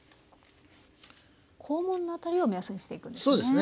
肛門の辺りを目安にしていくんですね。